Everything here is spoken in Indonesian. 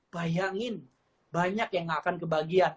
bayangin banyak yang gak akan kebagian